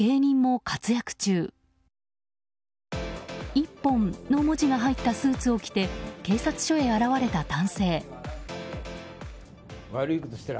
「ＩＰＰＯＮ」の文字が入ったスーツを着て警察署へ現れた男性。